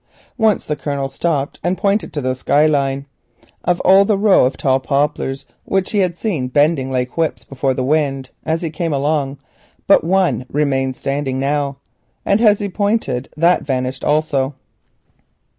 Once the Colonel stopped and pointed to the sky line. Of all the row of tall poplars which he had seen bending like whips before the wind as he came along but one remained standing now, and as he pointed that vanished also.